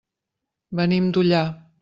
Venim d'Ullà.